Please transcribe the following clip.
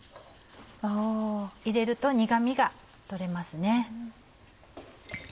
入れると苦みが取れますね。